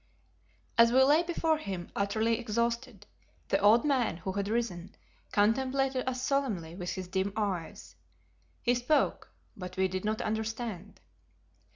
As we lay before him, utterly exhausted, the old man, who had risen, contemplated us solemnly with his dim eyes. He spoke, but we did not understand.